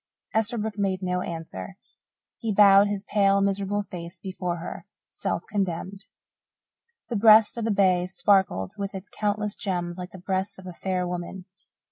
Esterbrook made no answer. He bowed his pale, miserable face before her, self condemned. The breast of the bay sparkled with its countless gems like the breast of a fair woman.